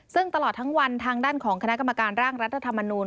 ซึ่งตลอดทั้งวันทางด้านของคณะกรรมการร่างรัฐธรรมนูล